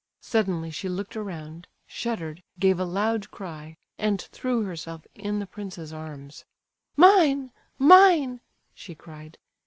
Suddenly she looked around, shuddered, gave a loud cry, and threw herself in the prince's arms. "Mine, mine!" she cried.